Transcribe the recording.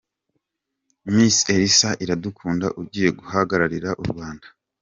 Miss Elsa Iradukunda ugiye guhagararira u Rwanda.